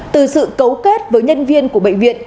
từ sự cấu kết với nhân viên của bệnh viện